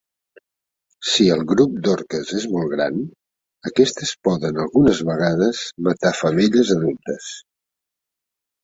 Si el grup d'orques és molt gran, aquestes poden algunes vegades matar femelles adultes.